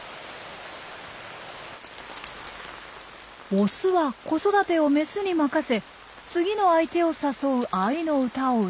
オスは子育てをメスに任せ次の相手を誘う愛の歌を歌っています。